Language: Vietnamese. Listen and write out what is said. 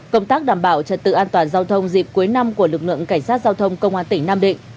công tác đảm bảo trật tự an toàn giao thông dịp cuối năm của lực lượng cảnh sát giao thông công an tỉnh nam định